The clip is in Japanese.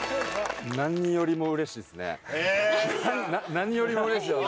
何よりもうれしい。